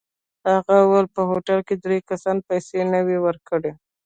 هغه وویل په هوټل کې درې کسانو پیسې نه وې ورکړې.